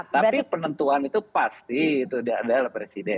tapi penentuan itu pasti tidak ada dari presiden